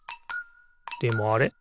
でもあれ？